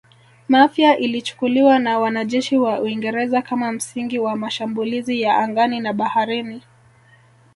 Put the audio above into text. Mafia ilichukuliwa na wanajeshi wa Uingereza kama msingi wa mashambulizi ya angani na baharini